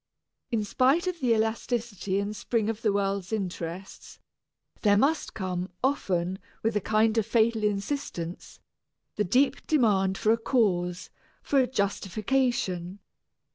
In spite of the elasticity and spring of the world's interests, there must come often, and with a kind of fatal insistence, the deep demand for a cause, for a justification.